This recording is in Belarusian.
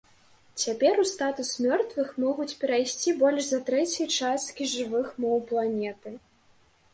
Цяпер у статус мёртвых могуць перайсці больш за трэцяй часткі жывых моў планеты.